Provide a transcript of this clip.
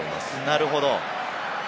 なるほど。